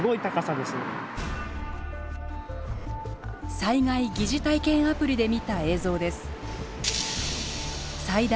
災害疑似体験アプリで見た映像です。